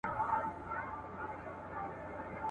موبایل د اړیکو مهمه وسیله ده.